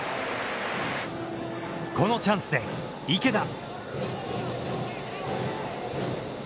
このチャンスで池田。